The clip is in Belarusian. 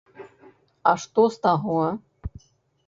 А што з таго?